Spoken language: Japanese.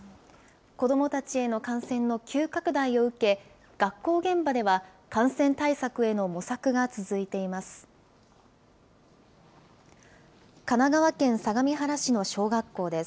子どもたちへの感染の急拡大を受け、学校現場では、感染対策への模索が続いています。